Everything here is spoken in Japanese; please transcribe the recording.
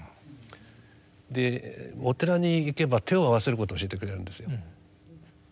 お寺に行けば手を合わせることを教えてくれるんですよ。